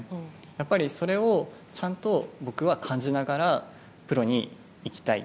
やっぱり、それをちゃんと僕は感じながらプロに行きたい。